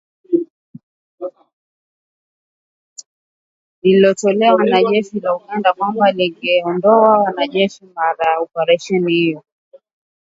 lililotolewa na jeshi la Uganda kwamba lingeondoa wanajeshi mara oparesheni hiyo